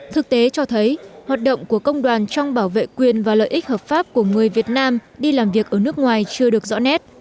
thực tế cho thấy hoạt động của công đoàn trong bảo vệ quyền và lợi ích hợp pháp của người việt nam đi làm việc ở nước ngoài chưa được rõ nét